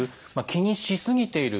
気にし過ぎている。